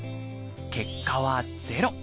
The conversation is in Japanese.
結果は「０」。